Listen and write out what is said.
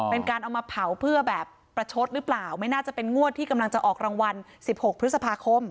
เป็นการเอามาเผาเพื่อแบบประชดหรือเปล่าไม่น่าจะเป็นงวดที่กำลังจะออกรางวัล๑๖พฤษภาคม